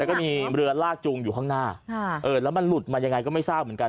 แล้วก็มีเรือลากจูงอยู่ข้างหน้าแล้วมันหลุดมายังไงก็ไม่ทราบเหมือนกัน